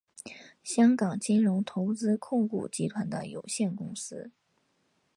香港金融投资控股集团有限公司。